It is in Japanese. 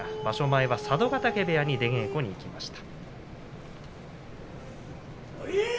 前は佐渡ヶ嶽部屋に出稽古に行きました。